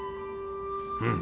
うん。